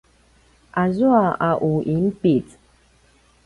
azua a u inpic